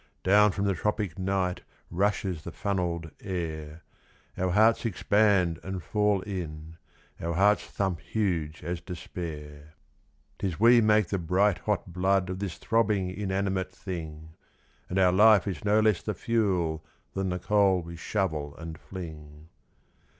"Down from the tropic night Rushes the funnelled air; Our heads expand and fall in; Our hearts thump huge as despair. "'Tis we make the bright hot blood Of this throbbing inanimate thing; And our life is no less the fuel Than the coal we shovel and fling.